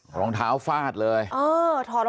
น้าสาวของน้าผู้ต้องหาเป็นยังไงไปดูนะครับ